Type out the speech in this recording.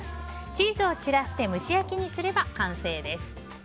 チーズを散らして蒸し焼きにすれば完成です。